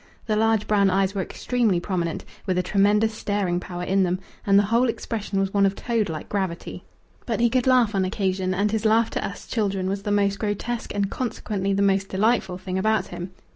The large brown eyes were extremely prominent, with a tremendous staring power in them, and the whole expression was one of toad like gravity. But he could laugh on occasion, and his laugh to us children was the most grotesque and consequently the most delightful thing about him.